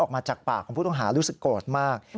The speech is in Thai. ออกมาจากปากของผู้ต้องหารู้สึกโกรธมาก